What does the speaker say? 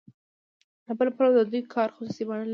له بل پلوه د دوی کار خصوصي بڼه لري